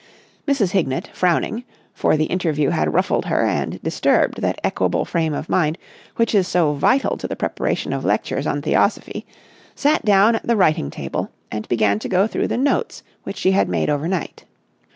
Mrs. Hignett, frowning, for the interview had ruffled her and disturbed that equable frame of mind which is so vital to the preparation of lectures on Theosophy, sat down at the writing table and began to go through the notes which she had made overnight.